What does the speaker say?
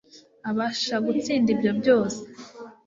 abasha gutsinda ibyo byose